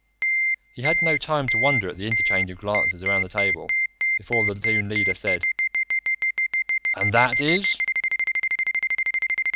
He had no time to wonder at the interchange of glances around the table before the Toon Leader said, "And that is